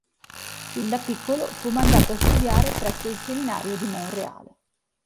Fin da piccolo fu mandato a studiare presso il seminario di Monreale.